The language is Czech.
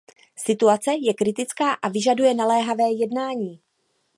Situace je kritická a vyžaduje naléhavé jednání.